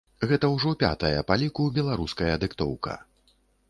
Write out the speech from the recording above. Гэта ўжо пятая па ліку беларуская дыктоўка.